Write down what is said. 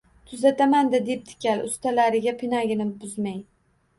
Тuzataman-da, debdi kal ustalariga pinagini buzmay